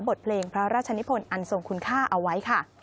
บทเพลงพระราชนิพลอันทรงคุณค่าเอาไว้ค่ะ